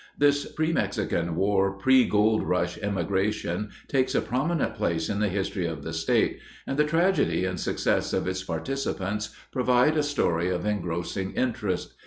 This pre Mexican War, pre gold rush immigration takes a prominent place in the history of the state, and the tragedy and success of its participants provide a story of engrossing interest.